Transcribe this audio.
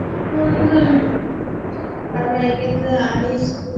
崇祯十六年癸未科三甲进士。